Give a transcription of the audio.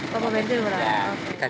pukul pensi berapa